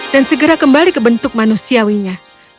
dan segera kembali ke bentuk manusiawinya